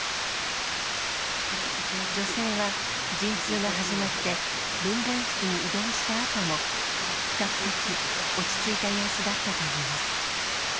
女性は陣痛が始まって分娩室に移動したあとも比較的落ち着いた様子だったといいます。